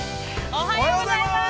◆おはようございます。